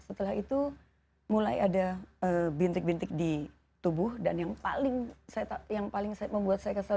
setelah itu mulai ada bintik bintik di tubuh dan yang paling membuat saya kesal